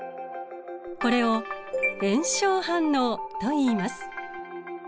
これを炎症反応といいます。